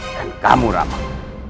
dan kamu ramah